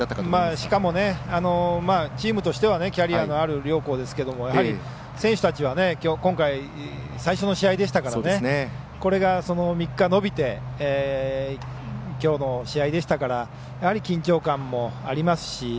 しかもね、チームとしてはキャリアのある両校ですけどやはり、選手たちは今回、最初の試合でしたからこれが３日延びてきょうの試合でしたからやはり緊張感もありますし。